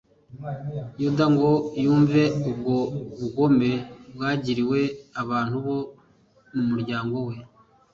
yuda ngo yumve ubwo bugome bwagiriwe abantu bo mu muryango we